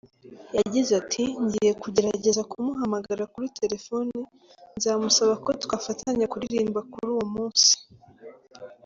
Yagize ati: “Ngiye kugerageza kumuhamagara kuri telefoni, nzamusaba ko twazafatanya kuririmba kuri uwo munsi…”.